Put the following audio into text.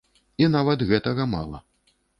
І нават гэтага мала.